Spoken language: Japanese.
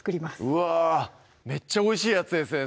うわぁめっちゃおいしいやつですね